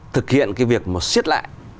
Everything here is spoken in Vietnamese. thực hiện cái việc mà siết lại